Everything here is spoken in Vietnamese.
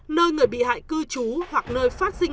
nơi người bị hại cư trú hoặc nơi phát sinh